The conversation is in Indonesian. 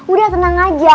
udah tenang aja